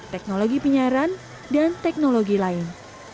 teknologi penyiaran dan teknologi lain